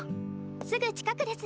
すぐ近くです。